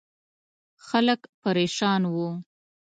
خلک پرېشان وو.